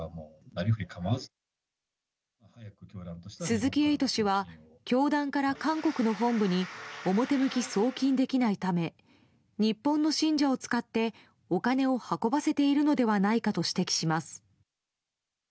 鈴木エイト氏は教団から韓国の本部に表向き送金できないため日本の信者を使ってお金を運ばせているのではないかと指摘します。